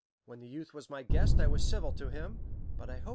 When the youth was my guest, I was civil to him; but Arenta.